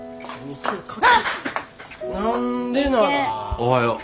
おはよう。